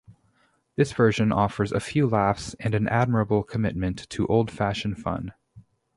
This version offers a few laughs and an admirable commitment to old-fashioned fun.